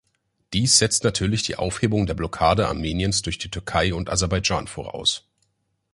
Dies setzt natürlich die Aufhebung der Blockade Armeniens durch die Türkei und Aserbaidschan voraus.